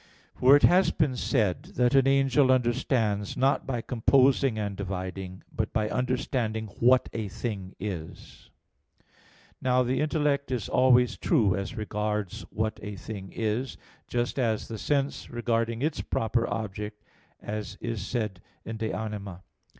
For it has been said (A. 4) that an angel understands not by composing and dividing, but by understanding what a thing is. Now the intellect is always true as regards what a thing is, just as the sense regarding its proper object, as is said in De Anima iii, text.